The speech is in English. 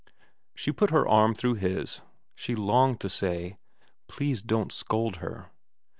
She put her arm through his. She longed to say, ' Please don't scold her.'